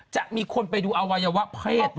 จะมีคนไปดูอวัยวะเพศ